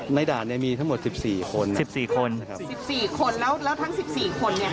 ด่านเนี่ยมีทั้งหมดสิบสี่คนสิบสี่คนนะครับสี่สิบสี่คนแล้วแล้วทั้งสิบสี่คนเนี่ย